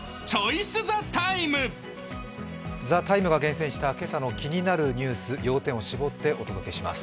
「ＴＨＥＴＩＭＥ，」が厳選した、今朝の気になるニュース、要点を絞ってお届けします。